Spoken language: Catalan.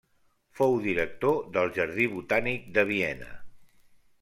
Fou director del Jardí Botànic de Viena.